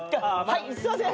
はいすいません。